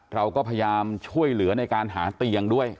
เราก็พยายามช่วยเหลือในการหาเตียงด้วย